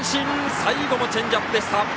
最後もチェンジアップ！